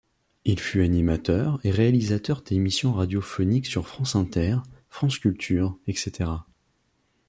Il fut animateur et réalisateur d'émissions radiophoniques sur France Inter, France Culture, etc.